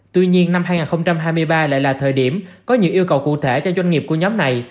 tuy nhiên năm hai nghìn hai mươi ba lại là thời điểm có nhiều yêu cầu cụ thể cho doanh nghiệp của nhóm này